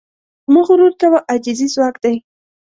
مه غرور کوه، عاجزي ځواک دی.